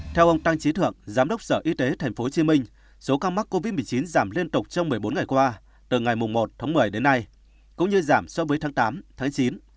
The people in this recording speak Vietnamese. theo ông tăng trí thượng giám đốc sở y tế tp hcm số ca mắc covid một mươi chín giảm liên tục trong một mươi bốn ngày qua từ ngày một tháng một mươi đến nay cũng như giảm so với tháng tám tháng chín